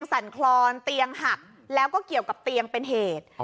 สั่นคลอนเตียงหักแล้วก็เกี่ยวกับเตียงเป็นเหตุ